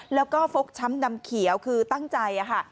แล้วก็ฟกช้ำดำเขียวคือตั้งใจค่ะ